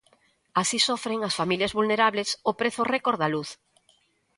Así sofren as familias vulnerables o prezo récord da luz.